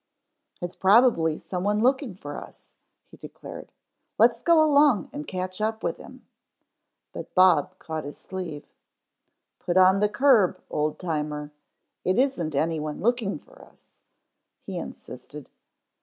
"It's probably some one looking for us," he declared. "Let's go along and catch up with him." But Bob caught his sleeve. "Put on the curb, Old Timer, it isn't anyone looking for us," he insisted.